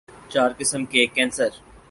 چار قسم کے کینسر